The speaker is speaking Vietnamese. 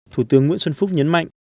thủ tướng nguyễn xuân phúc nhấn mạnh